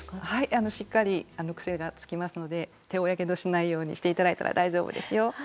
しっかり癖がつきますので手をやけどしないようにして頂いたら大丈夫ですよ。